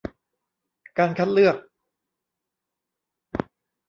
การคัดเลือก